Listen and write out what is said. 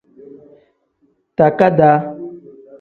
Takadaa.